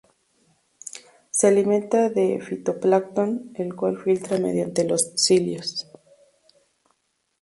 Se alimenta de fitoplancton, el cual filtra mediante los cilios.